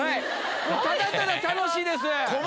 ただただ楽しいです。